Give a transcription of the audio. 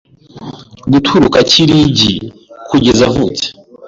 guturuka akiri igi kugeza avutse.